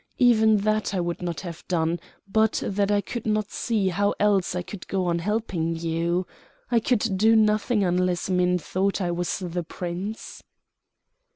Even that I would not have done but that I could not see how else I could go on helping you. I could do nothing unless men thought I was the Prince."